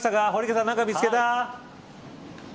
堀池さん、何か見つけた。